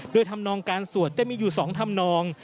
โดยธรรมนองการสวดจะมีอยู่๒ธรรมนอง